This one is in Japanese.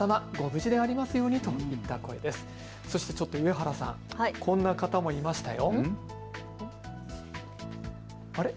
そして上原さん、こんな方もいましたよ。